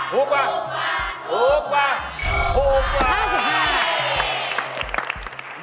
๕๙บาท